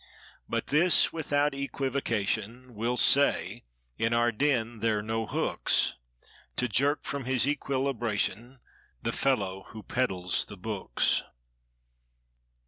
But this—without equivocation. We'll say: in our den there're no hooks To jerk from his equilibration The fellow who peddles the books.